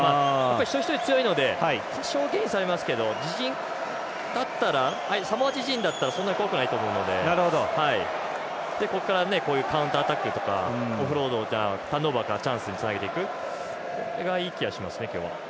一人一人強いのでサモア自陣だったらそんなに怖くないと思うのでここからカウンターアタックとかターンオーバーからチャンスにつなげていくそれがいい気がしますね、今日は。